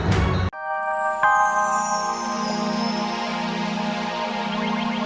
kita akan menemukan kesadaran dengan agama agama